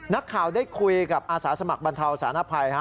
นักข่าวได้คุยกับอาสาสมัครบรรเทาสารภัย